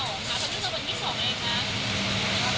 วันที่๒ค่ะตอนนี้จะวันที่๒ไงคะ